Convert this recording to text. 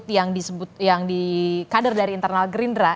yang di kader dari internal gerindra